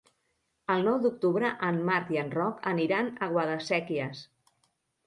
El nou d'octubre en Marc i en Roc aniran a Guadasséquies.